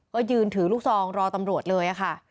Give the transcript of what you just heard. ก็ยืนถือลูกซองรอตำรวจเลยค่ะ